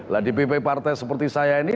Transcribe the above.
lah di pp partai seperti saya ini